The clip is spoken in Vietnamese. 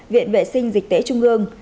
viện vệ sinh dịch tễ trung ương